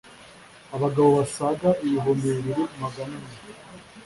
abagabo basaga ibihumbi bibiri Magana ane